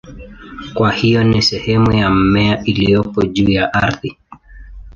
Kwa hiyo ni sehemu ya mmea iliyopo juu ya ardhi.